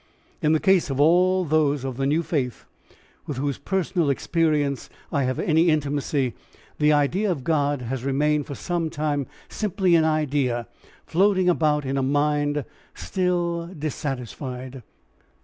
In the case of all those of the new faith with whose personal experience I have any intimacy, the idea of God has remained for some time simply as an idea floating about in a mind still dissatisfied.